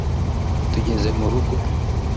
tugeze mu rugo